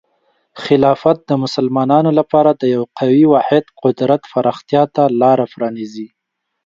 خلافت د مسلمانانو لپاره د یو قوي واحد قدرت پراختیا ته لاره پرانیزي.